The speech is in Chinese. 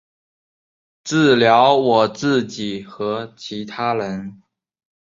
治疗我自己和其他人